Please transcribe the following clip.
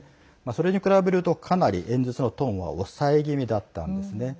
それに比べるとかなり演説のトーンは抑え気味だったんですね。